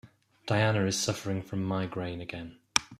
Diana is suffering from migraine again.